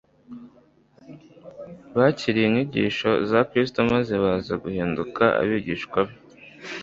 bakiriye inyigisho za Kristo maze baza guhinduka abigishwa be.